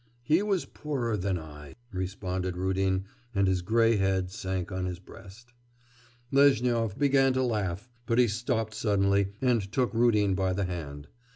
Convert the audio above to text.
'He was poorer than I,' responded Rudin, and his grey head sank on his breast. Lezhnyov began to laugh, but he stopped suddenly and took Rudin by the hand.